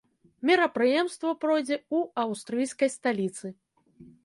Мерапрыемства пройдзе ў аўстрыйскай сталіцы.